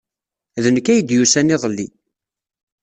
D nekk ay d-yusan iḍelli.